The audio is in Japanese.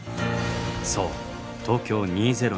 そう東京２０２０